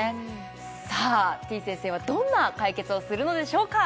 さあてぃ先生はどんな解決をするのでしょうか